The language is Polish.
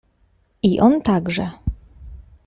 "I on także!"